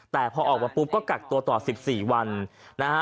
แต่พอออกมาปุ๊บก็กักตัวต่อ๑๔วันนะฮะ